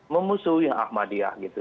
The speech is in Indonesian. memusuhi ahmadiyah gitu